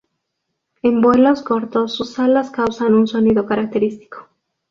En vuelos cortos sus alas causan un sonido característico.